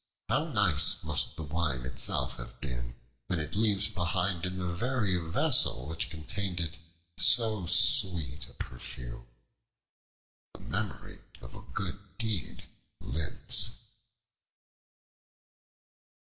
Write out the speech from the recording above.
How nice must the Wine itself have been, when it leaves behind in the very vessel which contained it so sweet a perfume!" The memory of a good deed lives.